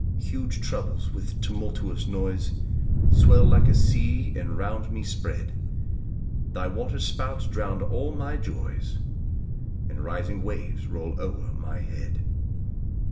2 Huge troubles, with tumultuous noise, Swell like a sea, and round me spread; Thy water spouts drown all my joys, And rising waves roll o'er my head.